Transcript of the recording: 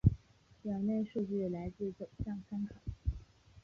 表内数据来自走向参考